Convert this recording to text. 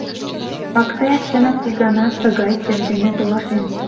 Пактаев чынак ик гана тыгай чер дене толашен.